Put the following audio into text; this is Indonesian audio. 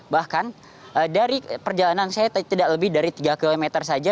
bahkan dari perjalanan saya tidak lebih dari tiga km saja